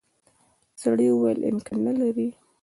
سړي وویل امکان نه لري.